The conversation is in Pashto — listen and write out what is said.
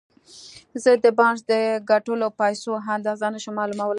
زه د بارنس د ګټلو پيسو اندازه نه شم معلومولای.